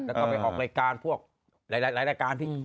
แล้วก็ไปออกรายการพวกหลายรายการ